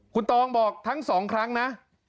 คุณตองบอกทั้งสองครั้งนะ